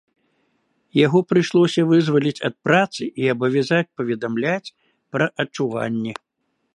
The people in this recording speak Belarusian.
Яго прыйшлося вызваліць ад працы і абавязаць паведамляць пра адчуванні.